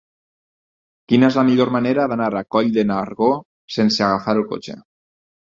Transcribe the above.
Quina és la millor manera d'anar a Coll de Nargó sense agafar el cotxe?